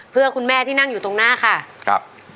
เพื่อคุณแม่ที่นั่งอยู่ตรงหน้าค่ะครับ